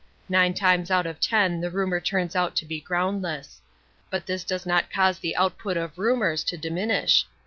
Nine times out of ten the rumour turns out to be groundless. But this does not cause the output of rumours to diminish.